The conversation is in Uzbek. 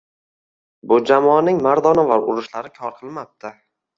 Bu jamoaning mardonavor urinishlari kor qilmabdi.